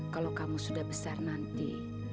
kalau kamu sudah besar nanti